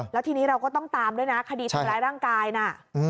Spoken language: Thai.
แล้วทีนี้เราก็ต้องตามด้วยนะคดีทำร้ายร่างกายนะ